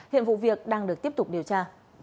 hiện vụ việc đang được tiếp tục điều tra